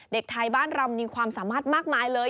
เด็กไทยบ้านเรามีความสามารถมากมายเลย